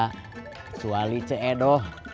kecuali ce doh